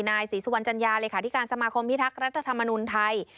นายศรีสุวรรณจัญญาเลขาธิการสมาคมพิทักษ์รัฐธรรมนุนไทย